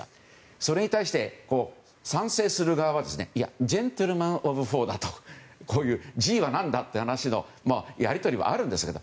それに対して、賛成する側はいやジェントルマンオブ４だとＧは何だという話のやり取りはあるんですけれども